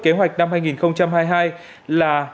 kế hoạch năm hai nghìn hai mươi hai là